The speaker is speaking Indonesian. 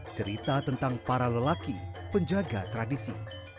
cerita tentang para lelaki penjaga tradisi